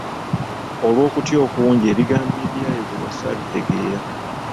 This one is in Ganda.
Olw’okutya okungi, ebigambo ebyayogerwa saabitegeera.